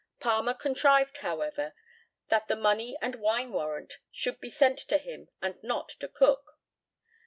Palmer contrived, however, that the money and wine warrant should be sent to him, and not to Cook.